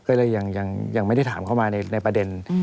ก็เลยยังไม่ได้ถามเข้ามาในประเด็น